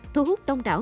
thu hút đông đảo